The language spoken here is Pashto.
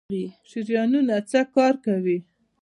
شریانونه څه کار کوي؟